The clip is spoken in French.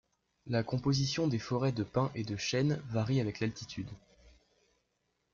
La composition des forêts de pins et de chêne varie avec l'altitude.